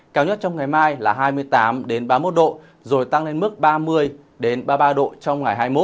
cao nhất trong ngày mai là hai mươi tám ba mươi một độ rồi tăng lên mức ba mươi ba mươi ba độ trong ngày hai mươi một